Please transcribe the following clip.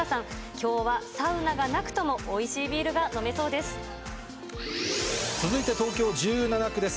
きょうはサウナがなくとも、おいしいビールが飲めそうです。